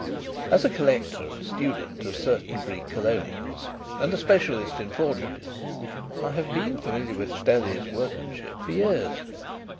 As a collector and student of certain Greek colonials and a specialist in forgeries I have been familiar with Stelli's workmanship for years.